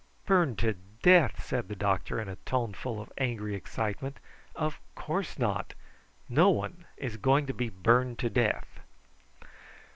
"Burned to death!" said the doctor in a tone full of angry excitement. "Of course not. Nobody is going to be burned to death."